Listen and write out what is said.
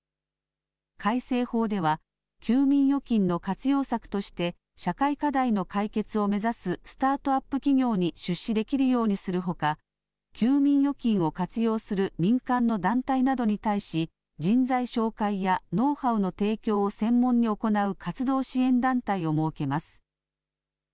改正法では、休眠預金の活用策として、社会課題の解決を目指すスタートアップ企業に出資できるようにするほか、休眠預金を活用する民間の団体などに対し、人材紹介やノウハウの提供を専門に行う活動支援団体を設けます。